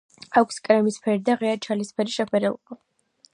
აქვს კრემისფერი და ღია ჩალისფერი შეფერილობა.